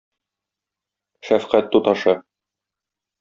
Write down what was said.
Шәфкать туташы